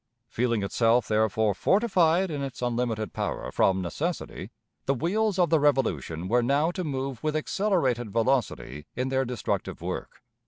Feeling itself, therefore, fortified in its unlimited power from "necessity," the wheels of the revolution were now to move with accelerated velocity in their destructive work.